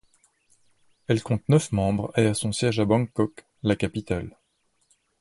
Elle compte neuf membres et a son siège à Bangkok, la capitale.